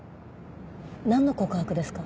なんの告白ですか？